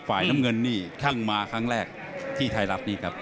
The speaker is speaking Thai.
ฝ่ายน้ำเงินนี่ช่างมาครั้งแรกที่ไทยรัฐนี้ครับ